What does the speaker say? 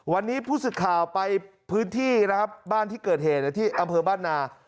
วันนี้ผู้สื่อข่าวไปพื้นที่นะครับบ้านที่เกิดเหตุที่อำเภอบ้านนา